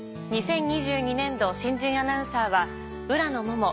２０２２年度新人アナウンサーは浦野モモ